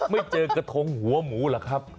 ไม่เจอกระทงหัวหมูเหรอครับ